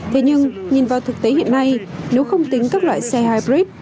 thế nhưng nhìn vào thực tế hiện nay nếu không tính các loại xe hybrid